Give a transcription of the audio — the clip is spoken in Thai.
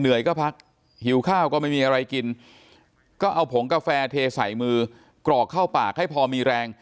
ก็พักหิวข้าวก็ไม่มีอะไรกินก็เอาผงกาแฟเทใส่มือกรอกเข้าปากให้พอมีแรง